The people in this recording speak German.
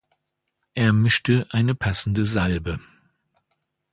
Er mischte eine passende Salbe.